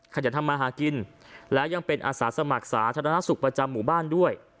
ขยันทำมาหากินและยังเป็นอาสาสมัครสาธารณสุขประจำหมู่บ้านด้วย